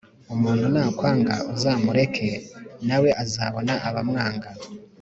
Umuntu nakwanga uzamureke nawe azabona abamwanga